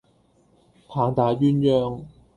棒打鴛鴦